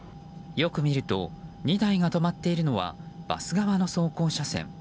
よく見ると２台が止まっているのはバス側の走行車線。